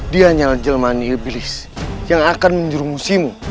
dia hanya jelman iblis yang akan menjerumusimu